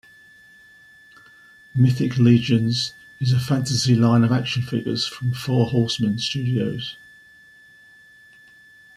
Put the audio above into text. Mythic Legions is a fantasy line of action figures from Four Horsemen Studios.